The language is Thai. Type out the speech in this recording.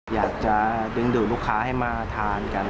อยากจะดึงดูดลูกค้าให้มาทานกัน